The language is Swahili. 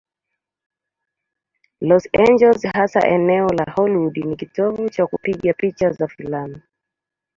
Los Angeles, hasa eneo la Hollywood, ni kitovu cha kupiga picha za filamu.